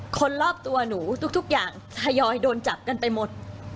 คนรอบตัวหนูทุกอย่างทยอยโดนจับกันไปหมด